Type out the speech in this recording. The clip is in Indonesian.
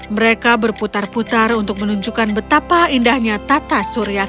mereka berputar putar untuk menunjukkan betapa indahnya tata surya